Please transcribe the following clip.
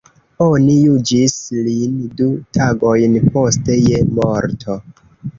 Oni juĝis lin du tagojn poste je morto.